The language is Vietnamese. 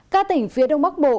các tỉnh phía đông bắc bộ